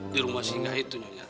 di rumah singgah itu nyonya